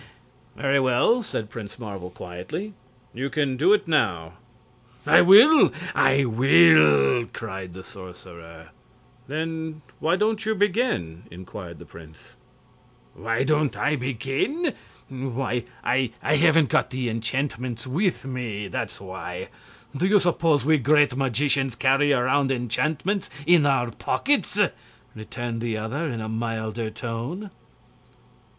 "Very well," said Prince Marvel, quietly; "you can do it now." "I will! I will!" cried the sorcerer. "Then why don't you begin?" inquired the prince. "Why don't I begin? Why, I haven't got the enchantments with me, that's why. Do you suppose we great magicians carry around enchantments in our pockets?" returned the other, in a milder tone.